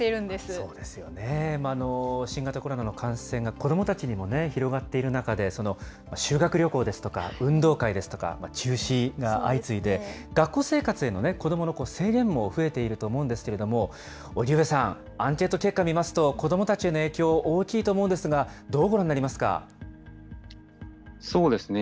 そうですよね、新型コロナの感染が子どもたちにも広がっている中で、修学旅行ですとか、運動会ですとか、中止が相次いで、学校生活への子どもの制限も増えていると思うんですが、荻上さん、アンケート結果見ますと、子どもたちへの影響、大きいと思うんでそうですね。